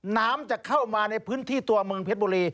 น้ำจะเข้ามาในพื้นที่ตัวเมืองเพชรบุรี